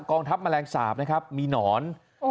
องทัพแมลงสาปนะครับมีหนอน